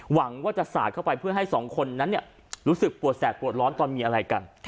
หวังว่าจะสาดเข้าไปเพื่อให้สองคนนั้นรู้สึกปวดแสบปวดร้อนตอนมีอะไรกัน